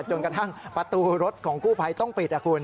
จนกระทั่งประตูรถของกู้ภัยต้องปิด